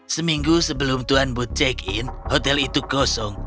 seminggu sebelum tuan boot check in hotel itu kosong